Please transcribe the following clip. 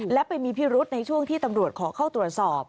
และไปมีพิรุษในช่วงที่ตำรวจขอเข้าตรวจสอบ